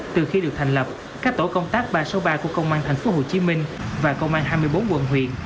từ khi được thành lập các tổ công tác ba trăm sáu mươi ba của công an tp hcm và công an hai mươi bốn quận huyện